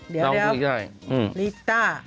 เดี๋ยวลีสต้า